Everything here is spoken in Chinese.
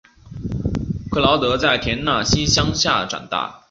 克劳德在田纳西乡下长大。